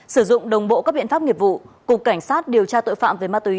sử dụng đồng bộ các biện pháp nghiệp vụ cục cảnh sát điều tra tội phạm về ma túy